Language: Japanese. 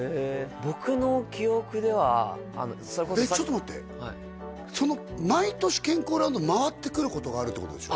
僕の記憶ではえっちょっと待ってその毎年健康ランドを回ってくることがあるってことでしょ？